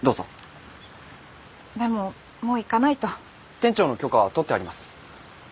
店長の許可は取ってあります。